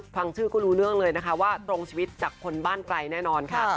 ฟังชื่อก็รู้เรื่องเลยนะคะว่าตรงชีวิตจากคนบ้านไกลแน่นอนค่ะ